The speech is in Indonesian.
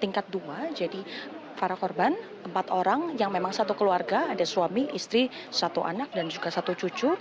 tingkat dua jadi para korban empat orang yang memang satu keluarga ada suami istri satu anak dan juga satu cucu